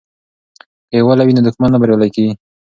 که یووالی وي نو دښمن نه بریالی کیږي.